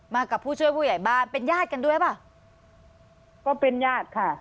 กับผู้ช่วยผู้ใหญ่บ้านเป็นญาติกันด้วยป่ะก็เป็นญาติค่ะ